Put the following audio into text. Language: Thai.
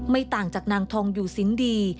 ต่างจากนางทองอยู่สินดี